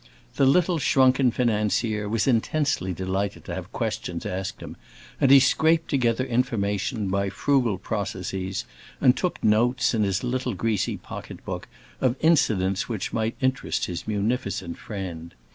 The little shrunken financier was intensely delighted to have questions asked him, and he scraped together information, by frugal processes, and took notes, in his little greasy pocket book, of incidents which might interest his munificent friend.